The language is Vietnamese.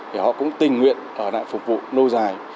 thì họ cũng tình nguyện ở lại phục vụ nâu dài